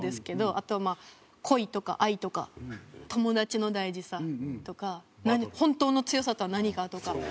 あとは恋とか愛とか友達の大事さとか本当の強さとは何か？とか。